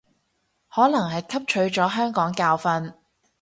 可能係汲取咗香港教訓